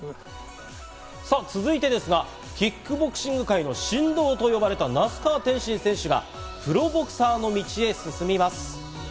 さあ続いてですがキックボクシング界の神童と呼ばれた那須川天心選手がプロボクサーの道へ進みます。